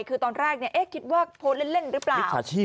คือตอนแรกคิดว่าโพสต์เล่นหรือเปล่า